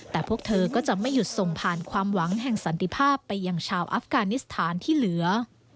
แต่พวกเธอก็จะไม่หยุดส่งผ่านความหวังแห่งสันติภาพไปยังชาวอัฟกานิสถานที่เหลือ